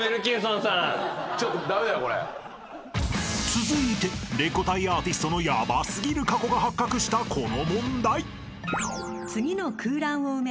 ［続いてレコ大アーティストのヤバ過ぎる過去が発覚したこの問題］